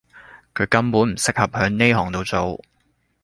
佢根本唔適合喺呢行到做